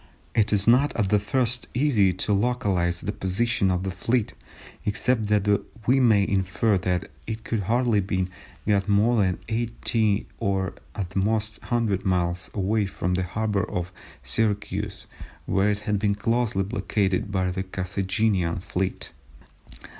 It is not at the first easy to localise the position of the fleet, except that we may infer that it could hardly have got more than 80 or at the most 100 miles away from the harbour of Syracuse where it had been closely blockaded by a Carthaginian fleet.